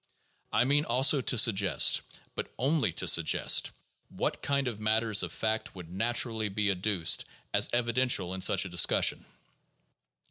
I mean also to suggest, but only to sug gest, what kind of matters of fact would naturally be adduced as evidential in such a discussion.